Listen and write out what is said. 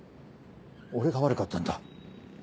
俺が悪かったんだ。